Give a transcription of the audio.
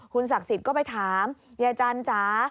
คุณศักดิ์สิทธิ์ก็ไปถามยายจันทร์จ้า